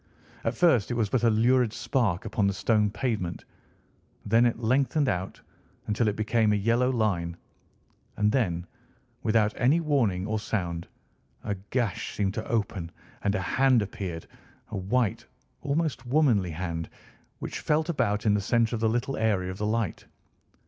At first it was but a lurid spark upon the stone pavement. Then it lengthened out until it became a yellow line, and then, without any warning or sound, a gash seemed to open and a hand appeared, a white, almost womanly hand, which felt about in the centre of the little area of light.